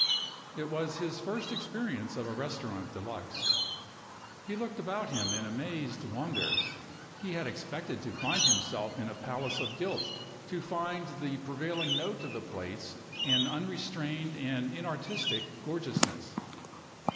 It was his first experience of a restaurant de luxe. He looked about him in amazed wonder. He had expected to find himself in a palace of gilt, to find the prevailing note of the place an unrestrained and inartistic gorgeousness.